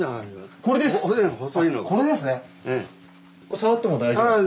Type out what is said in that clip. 触っても大丈夫。